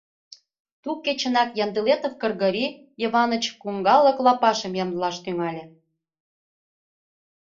Ту кечынак Яндылетов Кыргорий Йываныч коҥгалык лапашым ямдылаш тӱҥале.